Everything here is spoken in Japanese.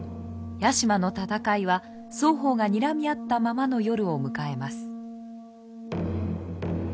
屋島の戦いは双方がにらみ合ったままの夜を迎えます。